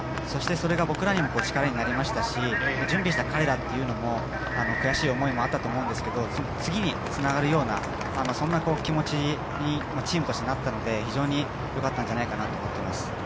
そしてそれが僕らにも力になりましたし、準備した彼らというのも悔しい思いもあったと思うんですけど次につながるような気持ちにチームとしてなったので非常によかったんじゃないかと思っています。